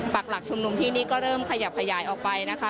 หลักชุมนุมที่นี่ก็เริ่มขยับขยายออกไปนะคะ